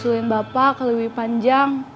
terus suling bapak lebih panjang